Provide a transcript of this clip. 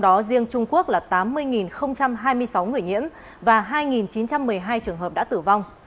trong đó riêng trung quốc là tám mươi hai mươi sáu người nhiễm và hai chín trăm một mươi hai trường hợp đã tử vong